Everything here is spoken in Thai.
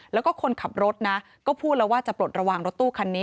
แล้วก็คนขับรถนะก็พูดแล้วว่าจะปลดระวังรถตู้คันนี้